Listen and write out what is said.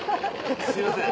すいません。